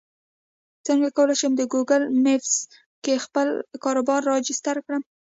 څنګه کولی شم د ګوګل مېپس کې خپل کاروبار راجستر کړم